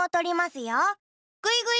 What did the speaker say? ぐいぐい。